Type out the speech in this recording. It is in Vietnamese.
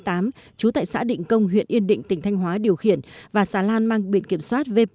trú tại xã định công huyện yên định tỉnh thanh hóa điều khiển và xà lan mang biển kiểm soát vp một nghìn ba trăm tám mươi một